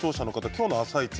今日の「あさイチ」